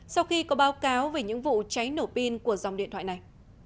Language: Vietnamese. sau khi có báo cáo về những vụ cháy nổ pin của dòng điện thoại này